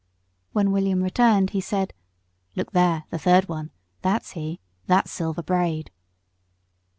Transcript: When William returned he said, "Look there, the third one; that's he that's Silver Braid."